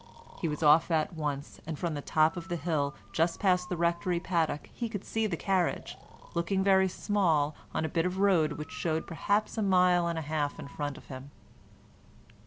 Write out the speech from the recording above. He was off at once, and from the top of the hill just past the Rectory paddock he could see the carriage, looking very small, on a bit of road which showed perhaps a mile and a half in front of him.